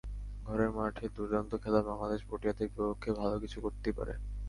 ঘরের মাঠে দুর্দান্ত খেলা বাংলাদেশ প্রোটিয়াদের বিপক্ষে ভালো কিছু করতেই পারে।